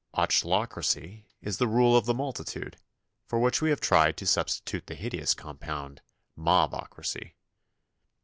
Ochlocracy is the rule of the multitude, for which we have tried to substitute the hideous compound "mobocracy."